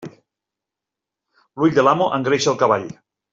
L'ull de l'amo engreixa el cavall.